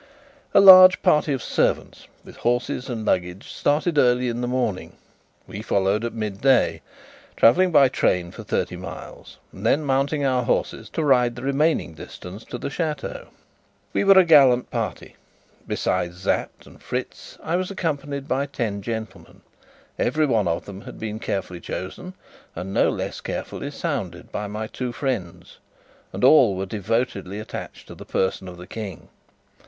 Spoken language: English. A large party of servants, with horses and luggage, started early in the morning; we followed at midday, travelling by train for thirty miles, and then mounting our horses to ride the remaining distance to the chateau. We were a gallant party. Besides Sapt and Fritz, I was accompanied by ten gentlemen: every one of them had been carefully chosen, and no less carefully sounded, by my two friends, and all were devotedly attached to the person of the King.